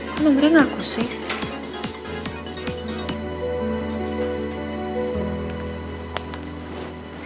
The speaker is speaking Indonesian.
kok nomornya gak aku sih